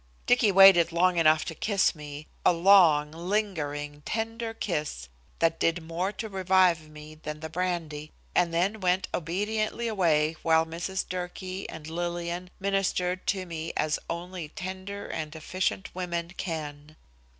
Dicky waited long enough to kiss me, a long, lingering, tender kiss that did more to revive me than the brandy, and then went obediently away while Mrs. Durkee and Lillian ministered to me as only tender and efficient women can.